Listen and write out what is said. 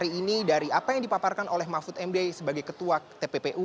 jadi hari ini dari apa yang dipaparkan oleh mahfud md sebagai ketua tppu